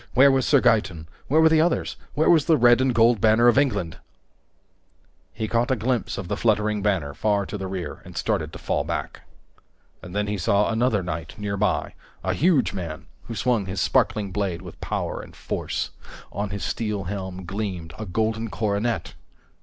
Where was Sir Gaeton? Where were the others? Where was the red and gold banner of Richard? He caught a glimpse of the fluttering banner far to the rear and started to fall back. And then he saw another knight nearby, a huge man who swung his sparkling blade with power and force. On his steel helm gleamed a golden coronet!